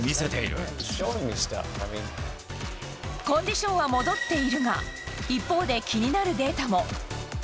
コンディションは戻っているが一方で気になるデータも。